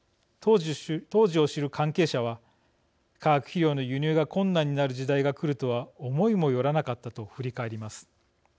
当時を知る関係者は化学肥料の輸入が困難になる時代が来るとは思いもよらなかったと振り返ります。